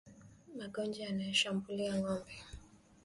Magonjwa yanayoshambulia ngombe